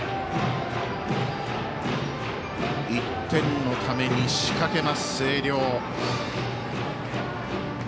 １点のために仕掛けます、星稜。